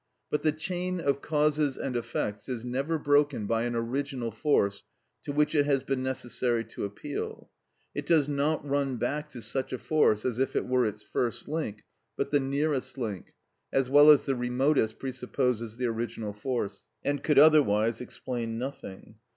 But the chain of causes and effects is never broken by an original force to which it has been necessary to appeal. It does not run back to such a force as if it were its first link, but the nearest link, as well as the remotest, presupposes the original force, and could otherwise explain nothing.